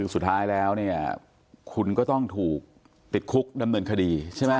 สุดท้ายแล้วเนี่ยคุณก็ต้องถูกติดคุกดำเนินคดีใช่ไหม